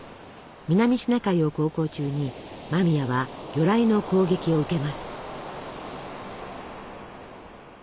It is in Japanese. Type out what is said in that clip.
南シナ海を航行中に間宮は魚雷の攻撃を受けます。